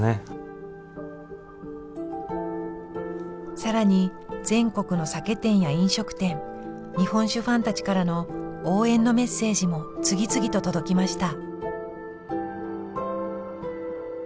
更に全国の酒店や飲食店日本酒ファンたちからの応援のメッセージも次々と届きました。